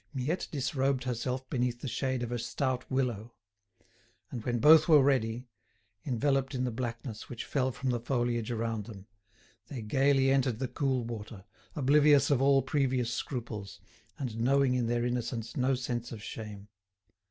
Miette disrobed herself beneath the shade of a stout willow; and when both were ready, enveloped in the blackness which fell from the foliage around them, they gaily entered the cool water, oblivious of all previous scruples, and knowing in their innocence no sense of shame.